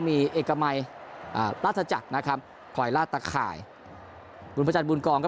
มีเอกมัยอ่าราชจักรนะครับคอยลาดตะข่ายบุญพระจันทร์บุญกองครับ